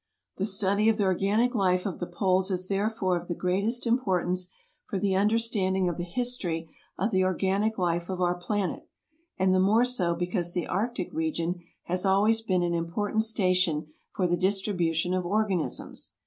The study of the organic life of the poles is therefore of the greatest importance for the understanding of the history of the or ganic life of our planet ; and the more so because the arctic region has always been an important station for the distribu tion of organisms.